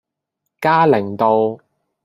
嘉齡道